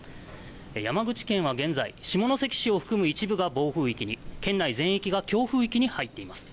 山口県は現在、下関市を含む一部が暴風域に、県内全域が強風域に入っています。